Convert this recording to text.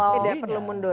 tidak perlu mundur